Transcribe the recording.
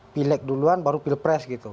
pilek duluan baru pilpres gitu